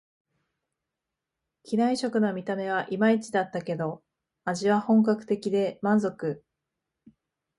機内食の見た目はいまいちだったけど、味は本格的で満足